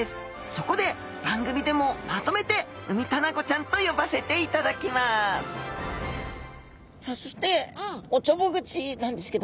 そこで番組でもまとめてウミタナゴちゃんと呼ばせていただきますさあそしておちょぼ口なんですけども。